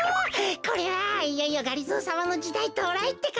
こりゃいよいよがりぞーさまのじだいとうらいってか！